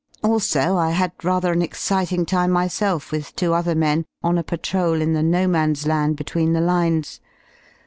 Also I had rather an exciting time myself with two other men on a patrol in the "no man's land" between the lines.